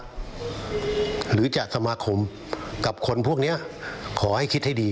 ขอเตือนไว้นะจะค้าหรือจะสมาคมกับคนพวกนี้ขอให้คิดให้ดี